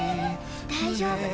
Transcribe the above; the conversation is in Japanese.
大丈夫。